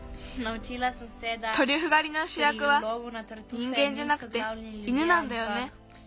トリュフがりのしゅやくはにんげんじゃなくて犬なんだよね。